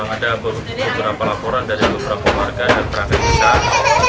ada beberapa laporan dari beberapa warga dan perangai besar